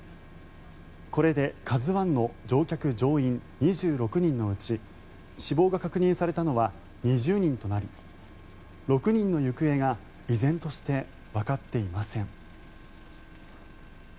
これで「ＫＡＺＵ１」の乗客・乗員２６人のうち死亡が確認されたのは２０人となり６人の行方が依然としてわかっていません。